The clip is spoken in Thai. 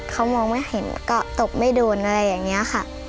เขามองไม่เห็นก็ตบไม่โดนอะไรอย่างนี้ค่ะ